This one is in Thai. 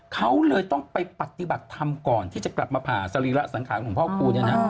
เขาเลยต้องไปปฏิบัติธรรมก่อนที่จะกลับมาผ่าสรีระสังขารของพ่อครูเนี่ยนะ